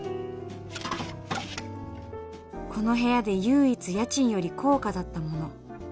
この部屋で唯一家賃より高価だったもの